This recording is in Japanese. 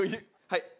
はい。